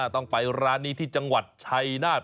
ต้องไปร้านนี้ที่จังหวัดชัยนาธิ